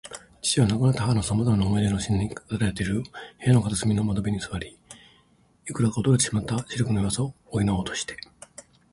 父は、亡くなった母のさまざまな思い出の品に飾られている部屋の片隅の窓辺に坐り、いくらか衰えてしまった視力の弱さを補おうとして